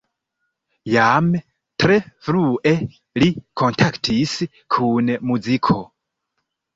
Jam tre frue li kontaktis kun muziko.